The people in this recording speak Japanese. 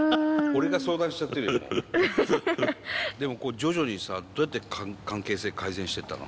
でも徐々にさどうやって関係性改善してったの？